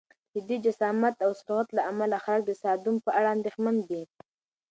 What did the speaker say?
د دې جسامت او سرعت له امله خلک د تصادم په اړه اندېښمن دي.